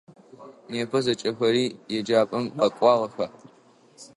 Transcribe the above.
Непэ зэкӏэхэри еджапӏэм къэкӏуагъэха?